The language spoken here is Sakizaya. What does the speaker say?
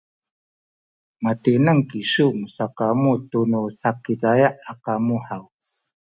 matineng kisu musakamu tunu Sakizaya a kamu haw?